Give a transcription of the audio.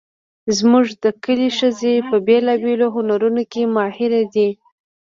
زموږ د کلي ښځې په بیلابیلو هنرونو کې ماهرې دي